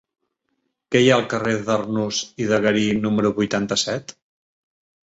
Què hi ha al carrer d'Arnús i de Garí número vuitanta-set?